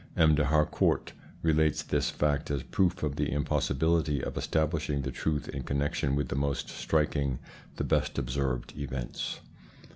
M. D'Harcourt relates this fact as proof of the impossibility of establishing the truth in connection with the most striking, the best observed events.